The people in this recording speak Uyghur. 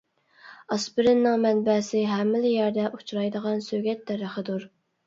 ئاسپىرىننىڭ مەنبەسى ھەممىلا يەردە ئۇچرايدىغان سۆگەت دەرىخىدۇر.